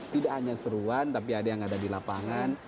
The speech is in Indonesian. tidak hanya seruan tapi ada yang ada di lapangan